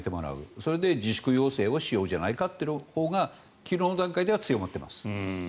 それで自粛要請をしようじゃないかというほうが昨日の段階では強まっています。